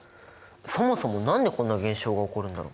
そもそも何でこんな現象が起こるんだろう！？